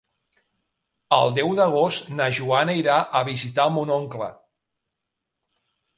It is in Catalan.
El deu d'agost na Joana irà a visitar mon oncle.